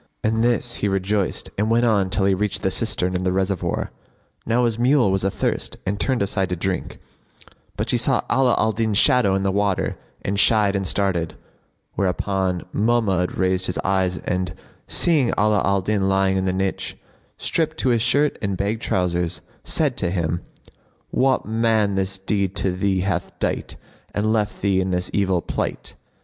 At this he rejoiced and went on till he reached the cistern and the reservoir. Now his mule was athirst and turned aside to drink, but she saw Ala al Din's shadow in the water and shied and started; whereupon Mahmud raised his eyes and, seeing Ala al Din lying in the niche, stripped to his shirt and bag trousers, said to him, "What man this deed to thee hath dight and left thee in this evil plight?"